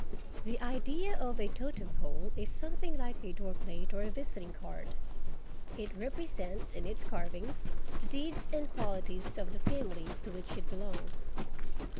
The idea of a totem pole is something like a door plate or a visiting card. It represents in its carvings the deeds and qualities of the family to which it belongs.